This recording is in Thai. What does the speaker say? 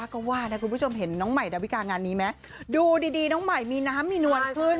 ก็ว่านะคุณผู้ชมเห็นน้องใหม่ดาวิกางานนี้ไหมดูดีน้องใหม่มีน้ำมีนวลขึ้น